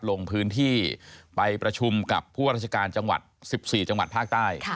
ลงพื้นที่ไปประชุมกับผู้ราชการจังหวัด๑๔จังหวัดภาคใต้